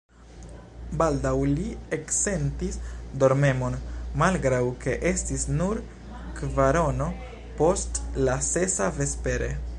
Baldaŭ li eksentis dormemon, malgraŭ ke estis nur kvarono post la sesa vespere.